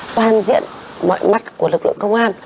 toàn diện mọi mặt của lực lượng công an